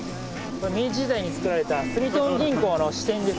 明治時代に造られた住友銀行の支店です。